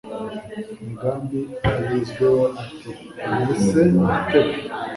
Migambi agezweho ati Mwise Igitego .